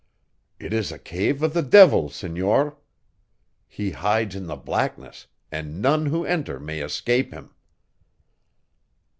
It is a cave of the devil, senor. He hides in the blackness and none who enter may escape him."